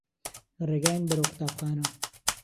لە ڕێگاین بەرەو قوتابخانە.